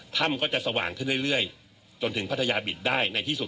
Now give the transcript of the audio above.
ถ้ำก็จะสว่างขึ้นเรื่อยจนถึงพัทยาบิตได้ในที่สุด